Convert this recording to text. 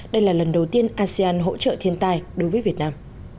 đây là lần đầu tiên asean hỗ trợ thiên tai đối với việt nam